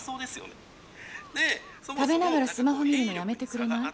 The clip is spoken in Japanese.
食べながらスマホ見るのやめてくれない？